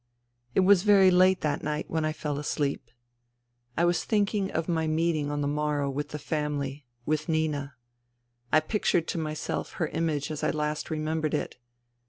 It was very late that night when I fell asleep. I was thinking of my meeting on the morrow with the family, with Nina. I pictured to myself her image as I last remembered it.